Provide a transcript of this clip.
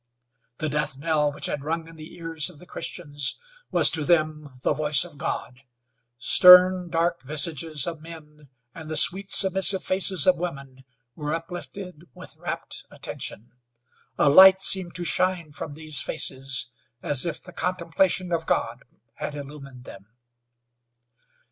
The death knell which had rung in the ears of the Christians, was to them the voice of God. Stern, dark visages of men and the sweet, submissive faces of women were uplifted with rapt attention. A light seemed to shine from these faces as if the contemplation of God had illumined them.